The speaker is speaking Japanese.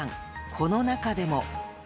［この中でも］